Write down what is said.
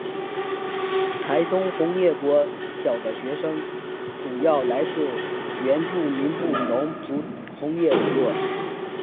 台东红叶国小的学生主要来自原住民布农族红叶部落。